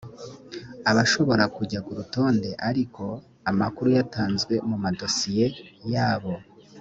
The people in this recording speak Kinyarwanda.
abashobora kujya ku rutonde ariko amakuru yatanzwe mu madosiye yabo